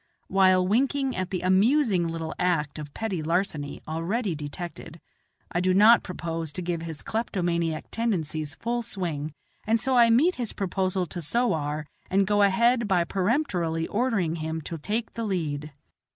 While winking at the amusing little act of petty larceny already detected, I do not propose to give his kleptomaniac tendencies full swing, and so I meet his proposal to sowar and go ahead by peremptorily ordering him to take the lead.